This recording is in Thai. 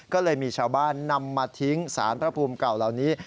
ก็เลยมีชาวบ้านนำมาทิ้งสารพระภูมิเก่าเหล่านี้